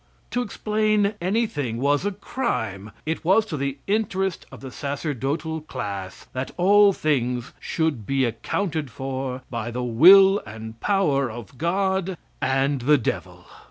To explain anything was a crime. It was to the interest of the sacerdotal class that all things should be accounted for by the will and power of God and the devil.